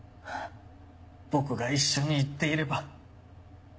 僕が一緒に行っていれば。